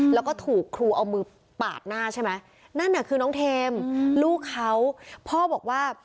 แล้วก็ถูกครูเอามือปาดหน้าใช่ไหมนั่นน่ะคือน้องเทมลูกเขาพ่อบอกว่า